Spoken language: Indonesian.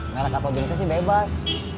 merk atau bisnisnya sih bebas